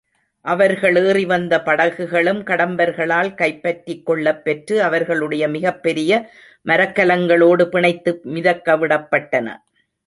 அவர்கள் ஏறிவந்த படகுகளும் கடம்பர்களால் கைப்பற்றிக்கொள்ளப்பெற்று, அவர்களுடைய மிகப்பெரிய மரக்கலங்களோடு பிணைத்து மிதக்கவிடப்பட்டன.